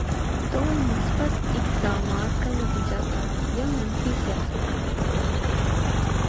تو وہ مثبت اقدامات کا نتیجہ تھا یا منفی سیاست کا؟